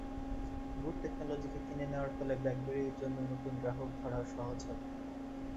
Good টেকনোলজিকে কিনে নেওয়ার ফলে ব্ল্যাকবেরির জন্য নতুন গ্রাহক ধরা সহজ হবে।